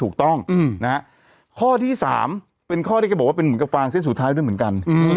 ข้อที่๓เป็นข้อที่บอกว่าเหมือนกับครางเส้นสุดท้ายแล้วเหมือนกัน